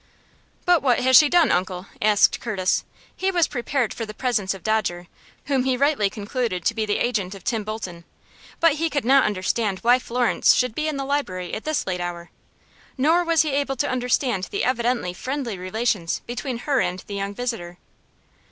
"But what has she done, uncle?" asked Curtis. He was prepared for the presence of Dodger, whom he rightly concluded to be the agent of Tim Bolton, but he could not understand why Florence should be in the library at this late hour. Nor was he able to understand the evidently friendly relations between her and the young visitor.